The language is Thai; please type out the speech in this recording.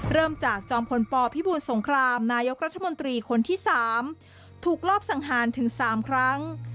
เริ่มจากจอมพลปพิบูรสงครามนายกรัฐมนตรีคนที่๓ถูกรอบสังหารถึง๓ครั้ง